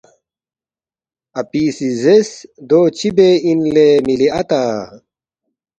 اپی سی زیرس، ”دو چِہ بے اِن لے مِلی اتا؟“